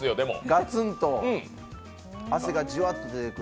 ガツンと汗がじわっと出てくる。